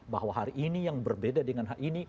bahwa hari ini yang berbeda dengan hari ini